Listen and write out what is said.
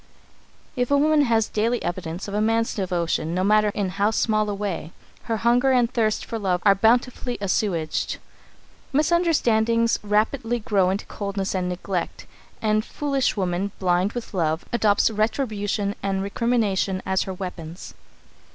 If a woman has daily evidence of a man's devotion, no matter in how small a way, her hunger and thirst for love are bountifully assuaged. Misunderstandings rapidly grow into coldness and neglect, and foolish woman, blind with love, adopts retribution and recrimination as her weapons.